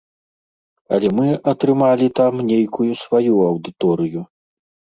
Але мы атрымалі там нейкую сваю аўдыторыю.